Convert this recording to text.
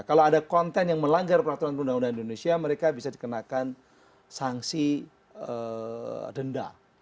kalau ada konten yang melanggar peraturan perundang undangan indonesia mereka bisa dikenakan sanksi denda